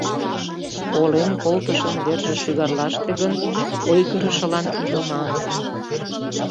Колен колтышын верже шӱгарлаште гын, ойгырышылан – илыман.